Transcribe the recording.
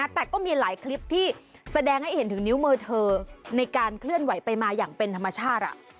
แต่ก็มีหลายคลิปที่แสดงให้เห็นถึงนิ้วมือเธอในการเคลื่อนไหวไปมาอย่างเป็นธรรมชาติ